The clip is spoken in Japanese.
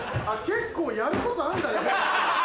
結構やることあるんだな。